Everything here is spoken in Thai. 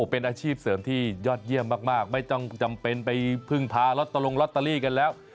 เป็นอาชีพเสริมที่ยอดเยี่ยมมากไม่ต้องจำเป็นไปพึ่งพาล็อตตรงลอตเตอรี่กันแล้ว